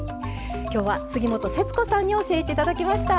今日は杉本節子さんに教えて頂きました。